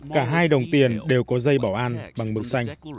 cả hai đồng tiền đều có dây bảo an bằng mực xanh